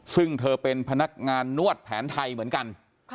ซึ่งเธอเป็นพนักงานนวดแผนไทยเหมือนกัน